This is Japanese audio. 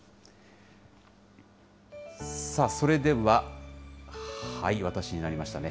さあ、それでは、私になりましたね。